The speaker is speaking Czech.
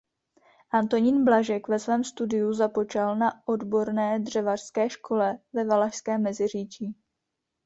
Antonín Blažek ve svém studiu započal na Odborné dřevařské škole ve Valašském Meziříčí.